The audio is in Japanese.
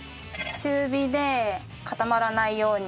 中火で固まらないように。